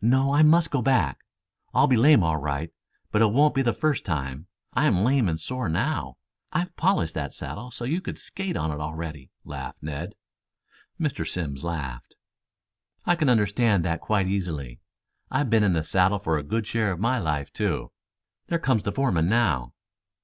"No, I must go back. I'll be lame all right, but it won't be the first time. I'm lame and sore now. I've polished that saddle so you could skate on it already," laughed Ned. Mr. Simms laughed. "I can understand that quite easily. I've been in the saddle a good share of my life, too. There comes the foreman now."